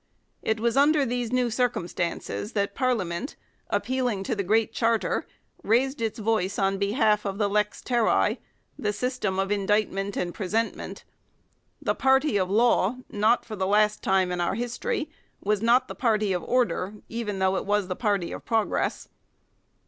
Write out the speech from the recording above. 1 It was under these new circumstances that Parliament, appealing to the Great Charter, raised its voice on behalf of the "lex terrae," the system of indictment and presentment. The party of law, not for the last time in our history, was not the party of order, even though it was the party of progress.